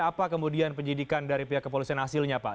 apa kemudian penyidikan dari pihak kepolisian hasilnya pak